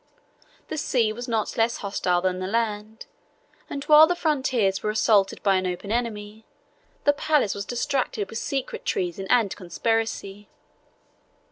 The sea was not less hostile than the land; and while the frontiers were assaulted by an open enemy, the palace was distracted with secret treason and conspiracy.